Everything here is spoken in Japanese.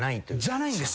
じゃないんです。